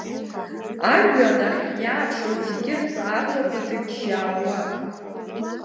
Ажәҩан ахьтә иааԥшуаз зегьы рҵааблақәа ҭыџьџьаауан.